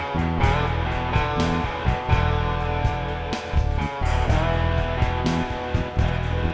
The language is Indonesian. tuan mudo saktu